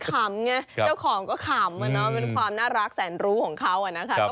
ขำไงเจ้าของก็ขำเป็นความน่ารักแสนรู้ของเขานะคะ